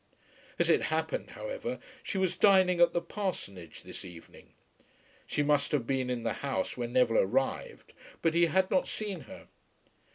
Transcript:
As it happened, however, she was dining at the parsonage this evening. She must have been in the house when Neville arrived, but he had not seen her.